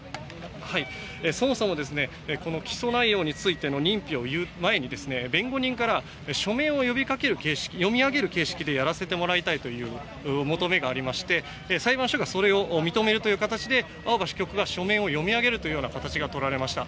そもそもこの起訴内容についての認否を言う前に弁護人から書面を読み上げる形式でやらせてもらいたいという求めがありまして裁判所がそれを認めるという形で青葉被告が書面を読み上げる形が取られました。